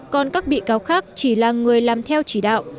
còn các bị cáo khác chỉ là người làm theo chỉ đạo